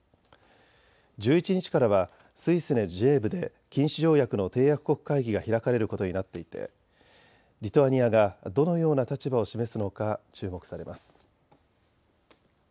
１１日からはスイスのジュネーブで禁止条約の締約国会議が開かれることになっていてリトアニアがどのような立場を示すのか注目されます。